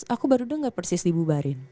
aku baru dengar persis dibubarin